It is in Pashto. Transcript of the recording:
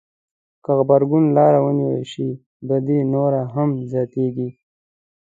که غبرګون لاره ونیول شي بدي نوره هم زياتېږي.